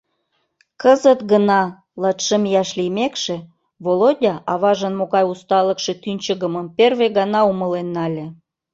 Кызыт гына, латшым ияш лиймекше, Володя аважын могай усталыкше тӱнчыгымым первый гана умылен нале.